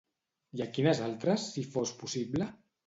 I a quines altres si fos possible?